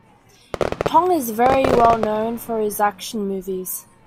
Tong is very well known for his action movies.